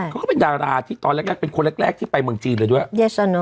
ก็เป็นดาราที่ตอนแรกเป็นคนแรกที่ไปเมืองจีนเลยด้วย